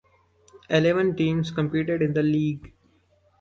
Eleven teams competed in the league.